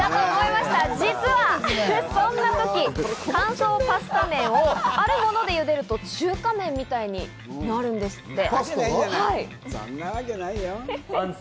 実はそんな時、乾燥パスタ麺をあるものでゆでると中華麺みたいになるんですって。